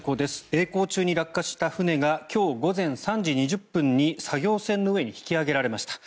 えい航中に落下した船が今日午前３時２０分に作業船の上に引き揚げられました。